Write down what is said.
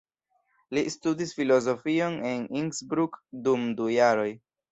Li studis filozofion en Innsbruck dum du jaroj.